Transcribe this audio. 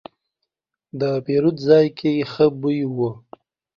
د پیرود ځای کې ښه بوی و.